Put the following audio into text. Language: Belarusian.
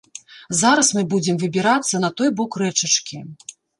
Зараз мы будзем выбірацца на той бок рэчачкі.